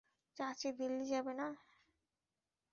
চাচি, দিল্লি যাবেন না?